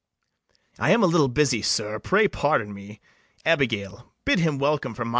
] I am a little busy, sir; pray, pardon me. Abigail, bid him welcome for my sake. ABIGAIL.